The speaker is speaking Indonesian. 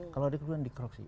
kalau ada kekeliruan dikoreksi